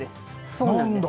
そうなんです。